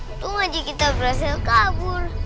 itu aja kita berhasil kabur